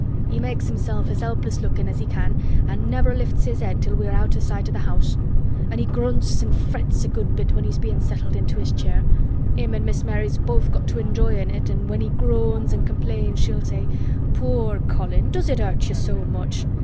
He makes himself as helpless lookin' as he can an' never lifts his head until we're out o' sight o' th' house. An' he grunts an' frets a good bit when he's bein' settled into his chair. Him an' Miss Mary's both got to enjoyin' it an' when he groans an' complains she'll say, 'Poor Colin! Does it hurt you so much?